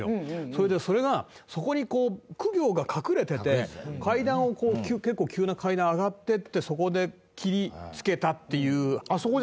それでそれがそこに公暁が隠れてて階段を結構急な階段上がっていってそこで斬りつけたっていう。